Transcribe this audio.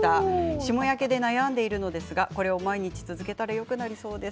霜焼けで悩んでいるのですがこれを毎日続けたらよくなりそうです。